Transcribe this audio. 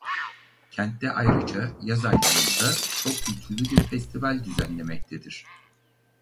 Kentte ayrıca yaz aylarında çok kültürlü bir festival düzenlemektedir.